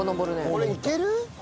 これ行ける？